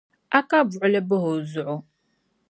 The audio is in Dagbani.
A ka buɣuli bahi o zuɣu.